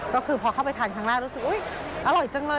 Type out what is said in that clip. ก็คือพอเข้าไปทานครั้งแรกรู้สึกอุ๊ยอร่อยจังเลย